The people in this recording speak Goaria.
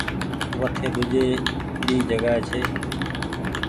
وٺي ۮوجي ڀي جگآ ئي ڇي۔